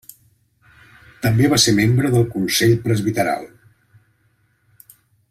També va ser membre del Consell Presbiteral.